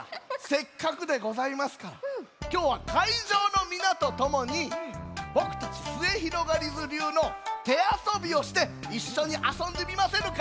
せっかくでございますからきょうはかいじょうのみなとともにぼくたちすゑひろがりずりゅうのてあそびをしていっしょにあそんでみませぬか？